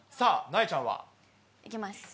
なえちゃんは？いきます。